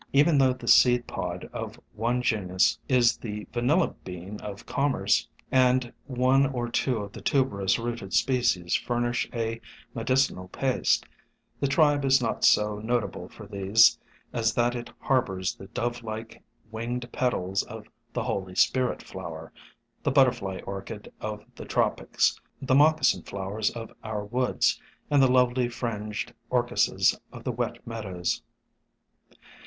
Even though the seed pod of one genus is the Vanilla Bean of commerce, and one or two of the tuberous rooted species furnish a me dicinal paste, the tribe is not so notable for these as that it harbors the dove like winged petals of the Holy Spirit Flower, the Butterfly Orchid of the tropics, the Moccasin Flowers of our woods, and the lovely fringed Orchises of the wet meadows.